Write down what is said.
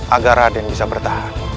agar raden bisa bertahan